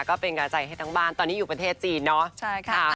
ก็เป็นกำลังใจให้ทั้งบ้านตอนนี้อยู่ประเทศจีนเนาะ